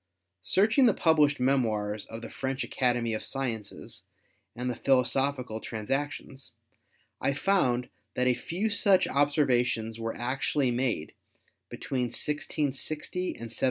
Searching the published memoirs of the French Academy of Sciences and the Philosophical Transactions, I found that a few such observations were actually made between 1660 and 1700.